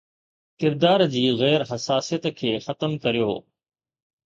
ڪردار جي غير حساسيت کي ختم ڪريو